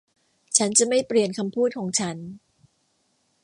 ฉันจะไม่เปลี่ยนคำพูดของฉัน